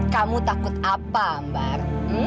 kamu takut apa ambar